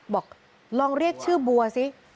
บอกลองเรียกชื่อบัวซิ